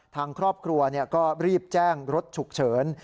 ทางครอบครัวก็รีบแจ้งรถฉุกเฉิน